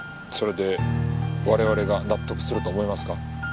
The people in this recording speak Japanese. それで我々が納得すると思いますか？